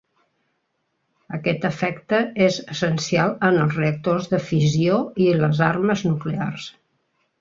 Aquest efecte és essencial en els reactors de fissió i les armes nuclears.